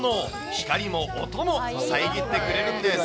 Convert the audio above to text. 光も音も遮ってくれるんです。